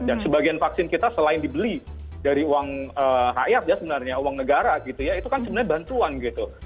dan sebagian vaksin kita selain dibeli dari uang rakyat ya sebenarnya uang negara gitu ya itu kan sebenarnya bantuan gitu